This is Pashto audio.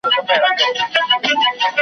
پر مزار د شالمار دي انارګل درته لیکمه .